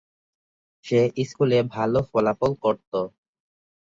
সে স্কুলে ভাল ফলাফল করত।